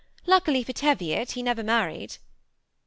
Luckily for Teviot, he was never married.